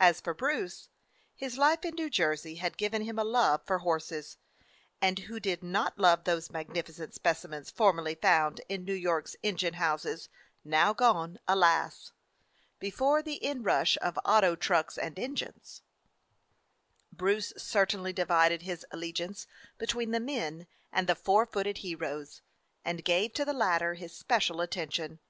As for Bruce, his life in New Jersey had given him a love for horses; and who did not love these magnificent specimens formerly found in New York's engine houses, now gone, alas! before the inrush of auto trucks and 255 DOG HEROES OF MANY LANDS engines? Bruce certainly divided his alle giance between the men and the four footed heroes, and gave to the latter his special at tention.